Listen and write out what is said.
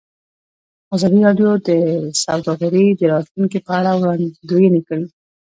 ازادي راډیو د سوداګري د راتلونکې په اړه وړاندوینې کړې.